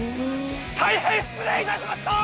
大変失礼いたしました！